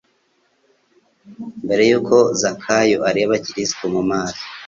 Mbere y'uko Zakayo areba Kristo mu maso,